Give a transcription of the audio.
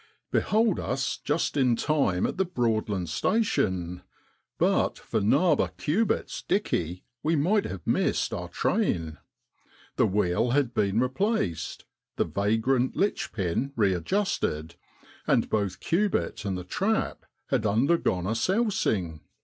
Behold us, just in time at the Broadland Station but for ' narber ' Cubitt's 1 dickey,' we might have missed our train. The wheel had been replaced, the vagrant litch pin readjusted, and both Cubitt an.d the trap had undergone a sousing.